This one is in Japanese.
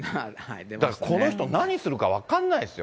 この人、何するか分かんないですよ。